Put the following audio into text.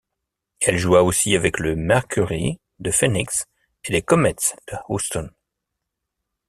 Elle joua aussi avec le Mercury de Phoenix et les Comets de Houston.